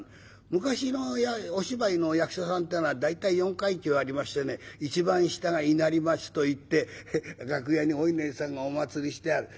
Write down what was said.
昔のお芝居の役者さんってのは大体４階級ありましてね一番下が稲荷町といって楽屋にお稲荷さんがお祭りしてある。